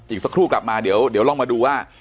อีกสักครู่กลับมาเดี๋ยวลองมาดูว่า